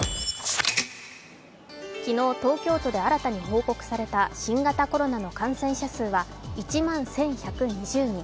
昨日、東京都で新たに報告された新型コロナの感染者数は１万１１２０人。